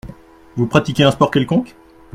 Vous pratiquez un sport quelconque ?